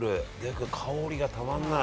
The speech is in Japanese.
これ香りがたまんない。